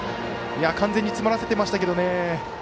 完全に詰まらせていましたが。